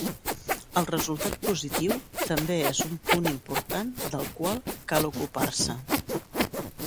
El resultat positiu també és un punt important del qual cal ocupar-se.